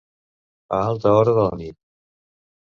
A alta hora de la nit.